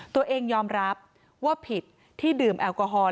ตัวเองยอมรับว่าผิดที่ดื่มแอลกอฮอล